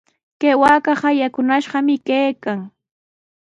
Kay waakaqa yakunashqami kaykan.